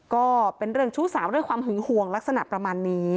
ก็เป็นเรื่องชู้สาวเรื่องความหึงห่วงลักษณะประมาณนี้